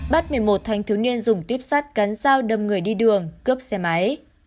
bắt một mươi một thanh thiếu niên dùng tuyếp sắt cắn dao đâm người đi đường cướp xe máy